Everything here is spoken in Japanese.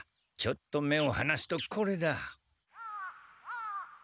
ちょっと目をはなすとこれだ。